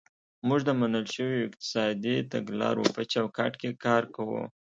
موږ د منل شویو اقتصادي تګلارو په چوکاټ کې کار کوو.